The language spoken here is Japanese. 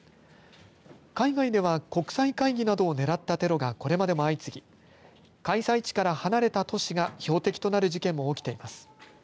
海外では国際会議などを狙ったテロがこれまでも相次ぎ開催地から離れた都市が標的となる事件も起きています。